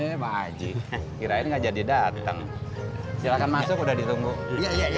eh pak aji kirain nggak jadi dateng silahkan masuk udah ditunggu iya iya iya